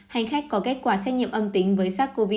hành khách có kết quả xét nghiệm âm tính với sars cov hai